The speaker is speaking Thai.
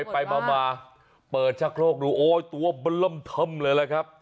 ไปมาเปิดชักโครกดูโอ้ยตัวบล้ำทำเลยล่ะครับ